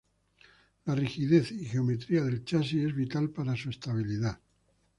La rigidez y geometría del chasis es vital para su estabilidad.